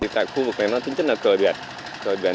tại khu vực này tính chất là cửa biển